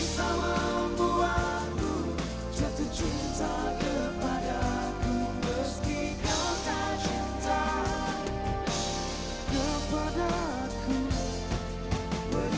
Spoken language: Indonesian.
semoga waktu akan menilai sisi hatimu yang betul